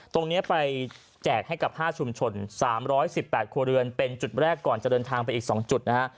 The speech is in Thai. ตรงนี้ไปแจกให้กับ๕ชุมชน๓๑๘ครัวเรือนเป็นจุดแรกก่อนจะเดินทางไปอีก๒จุดนะฮะ